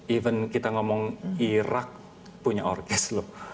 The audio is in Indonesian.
even kita ngomong irak punya orkes loh